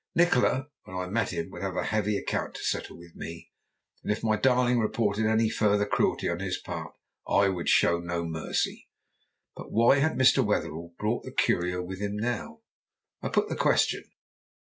Nikola, when I met him, would have a heavy account to settle with me, and if my darling reported any further cruelty on his part I would show no mercy. But why had Mr. Wetherell brought the curio with him now? I put the question.